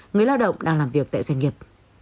người lao động đang làm việc tại doanh nghiệp